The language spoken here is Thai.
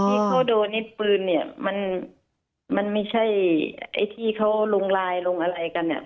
ที่เขาโดนไอ้ปืนเนี่ยมันมันไม่ใช่ไอ้ที่เขาลงไลน์ลงอะไรกันเนี่ย